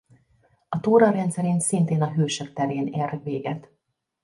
A túra rendszerint szintén a Hősök terén ér véget.